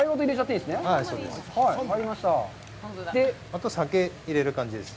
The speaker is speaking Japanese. あと、酒を入れる感じです。